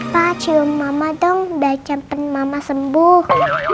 pa cium mama dong dan sampai mama sembuh